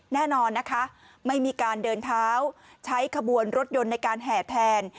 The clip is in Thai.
แน่นอนนะคะไม่มีการเดินเท้าใช้ขบวนรถยนต์ในการแห่แทน